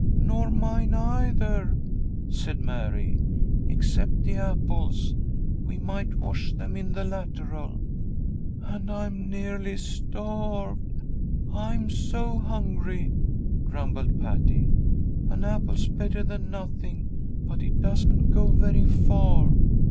"Nor mine, either," said Mary, "except the apples. We might wash them in the lateral." "And I'm nearly starved, I'm so hungry," grumbled Patty. "An apple's better than nothing, but it doesn't go very far."